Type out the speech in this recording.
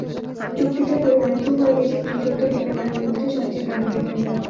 চুক্তিটা করে ম্যাথু হয়ে গেছেন ত্রিশোর্ধ্ব ডিফেন্ডারের মধ্যে সবচেয়ে দামি ডিফেন্ডার।